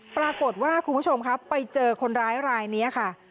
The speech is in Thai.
ปรากฏว่าคุณผู้ชมครับไปเจอคนร้ายรายนี้ค่ะ